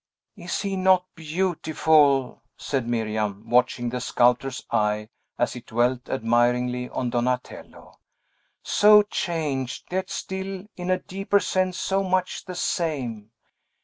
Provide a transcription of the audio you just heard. "Is he not beautiful?" said Miriam, watching the sculptor's eye as it dwelt admiringly on Donatello. "So changed, yet still, in a deeper sense, so much the same!